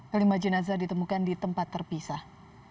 kelima jenazah ditemukan di tempat terpisah